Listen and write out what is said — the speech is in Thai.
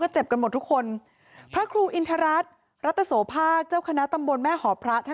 เจ็บกันหมดทุกคนพระครูอินทรรัฐรัตโสภาคเจ้าคณะตำบลแม่หอพระท่าน